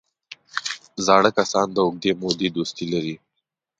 زاړه کسان د اوږدې مودې دوستي لري